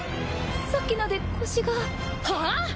さっきので腰が。はあ！？